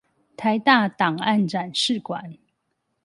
臺大檔案展示館